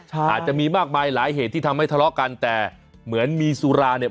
อาจจะมีมากมายหลายเหตุที่ทำให้ทะเลาะกันแต่เหมือนมีสุราเนี่ย